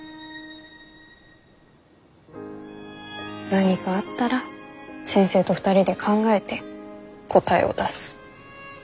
何かあったら先生と２人で考えて答えを出す。